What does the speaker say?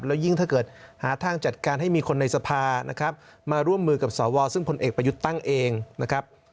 แล้วยิ่งถ้าเกิดหาทางจัดการให้มีคนในสภานะครับมาร่วมมือกับสวซึ่งพลเอกประยุทธ์ตั้งเองนะครับ